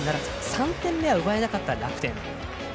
３点目は奪えなかった楽天。